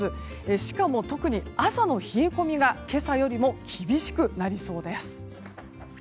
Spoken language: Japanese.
しかも特に朝の冷え込みが今朝よりも厳しくなりそうです。